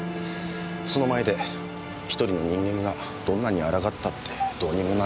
その前で１人の人間がどんなに抗ったってどうにもならないんだ。